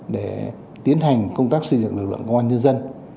để tiến hành công tác xây dựng lực lượng công an nhân dân